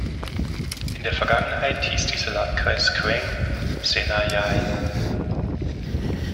In der Vergangenheit hieß dieser Landkreis "Khwaeng" Sena Yai.